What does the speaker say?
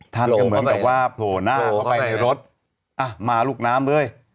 ลงเหมือนกับว่าโผล่หน้าเข้าไปในรถอ่ะมาลูกน้ำเว้ย